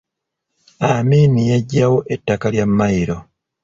Amin yaggyawo ettaka lya Mailo.